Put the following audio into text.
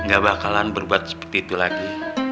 gak bakalan berbuat seperti itu lagi